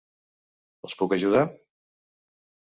Els puc ajudar?